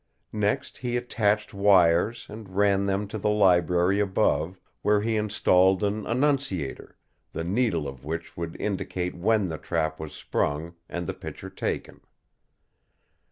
Next he attached wires and ran them to the library above, where he installed an annunciator, the needle of which would indicate when the trap was sprung and the picture taken.